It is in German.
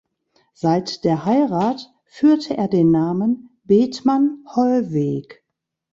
Seit der Heirat führte er den Namen „Bethmann-Hollweg“.